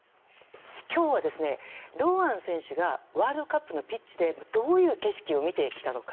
今日は堂安選手がワールドカップのピッチでどういう景色を見てきたのか。